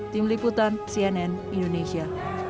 tim liputan cnn indonesia